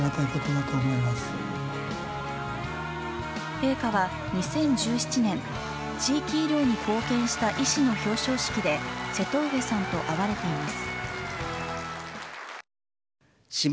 陛下は、２０１７年地域医療に貢献した医師の表彰式で瀬戸上さんと会われています。